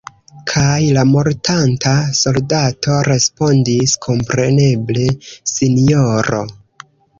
Kaj la mortanta soldato respondis: “Kompreneble, sinjoro!